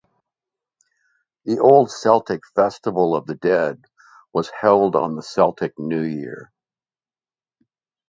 The old Celtic festival of the dead was held on the Celtic New Year.